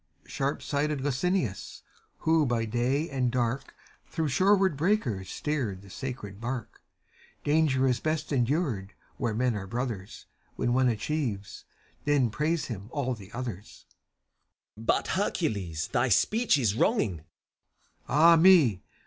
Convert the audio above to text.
Sharp sighted Lynceus, who by day and dark Through shoreward breakers steered the sacred bark Danger is best endured where men are brothers ; When one achieves, then praise him all the others. FAUST. But Hercules thy speech is wronging — CHIRON. Ah, me